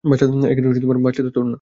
বাচ্চা তো তাের না।